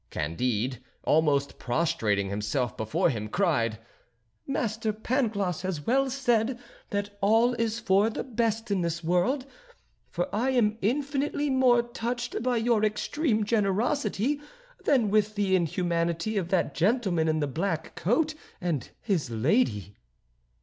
Candide, almost prostrating himself before him, cried: "Master Pangloss has well said that all is for the best in this world, for I am infinitely more touched by your extreme generosity than with the inhumanity of that gentleman in the black coat and his lady."